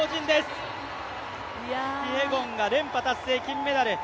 キピエゴンが連覇達成、金メダル。